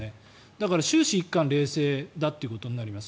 だから終始、一貫して冷静だということになります。